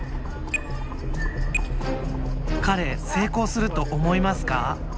彼成功すると思いますか？